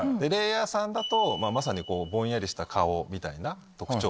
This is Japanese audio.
Ｌａｙｅｒ３だとまさにぼんやりした顔みたいな特徴。